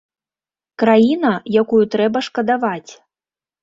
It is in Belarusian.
Краіна, якую трэба шкадаваць.